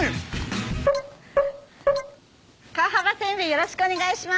よろしくお願いします！